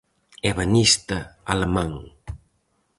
Ebanista alemán.